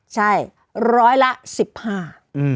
ใช่ร้อยละ๑๕บาท